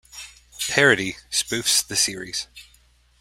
Parody, spoofs the series.